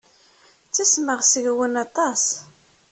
Ttasmeɣ seg-wen aṭas.